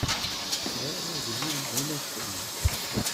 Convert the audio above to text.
Sɛiɣ aglim d anafri.